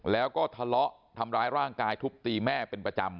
แล้วก็ทะเลาะทำร้ายร่างกายทุบตีแม่เป็นประจำ